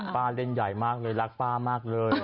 เล่นใหญ่มากเลยรักป้ามากเลย